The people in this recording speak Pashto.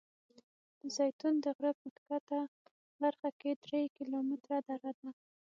د زیتون د غره په ښکته برخه کې درې کیلومتره دره ده.